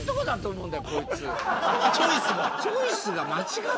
チョイスが？